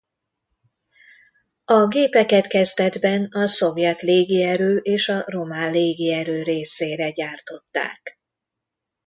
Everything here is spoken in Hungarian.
A gépeket kezdetben a Szovjet Légierő és a Román Légierő részére gyártották.